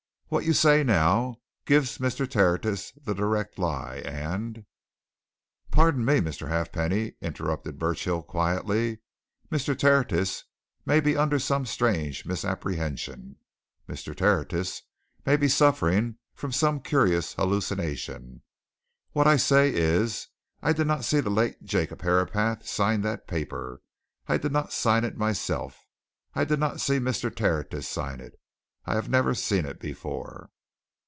What you say now gives Mr. Tertius the direct lie, and " "Pardon me, Mr. Halfpenny," interrupted Burchill quietly. "Mr. Tertius may be under some strange misapprehension; Mr. Tertius may be suffering from some curious hallucination. What I say is I did not see the late Jacob Herapath sign that paper; I did not sign it myself; I did not see Mr. Tertius sign it; I have never seen it before!"